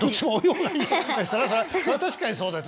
そりゃ確かにそうだよ。